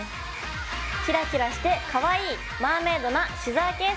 キラキラしてかわいい「マーメイドなシザーケース」。